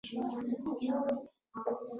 پښتو کې د کار کولو استعداد شته: